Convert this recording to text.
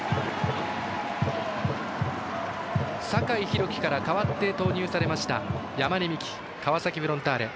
酒井宏樹から代わって投入されました山根視来川崎フロンターレ。